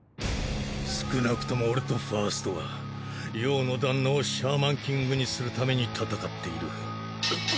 少なくとも俺とファウストは葉の旦那をシャーマンキングにするために戦っている。